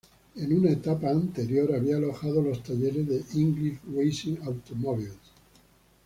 En una etapa anterior había alojado los talleres de English Racing Automobiles.